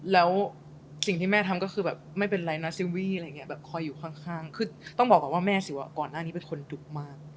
แล้วสิ่งที่แม่ทำก็คือแบบไม่เป็นไรนะซิวี่อะไรอย่างเงี้แบบคอยอยู่ข้างคือต้องบอกก่อนว่าแม่สิว่าก่อนหน้านี้เป็นคนดุมาก